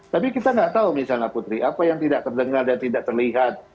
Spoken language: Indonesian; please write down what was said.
tapi kita nggak tahu misalnya putri apa yang tidak terdengar dan tidak terlihat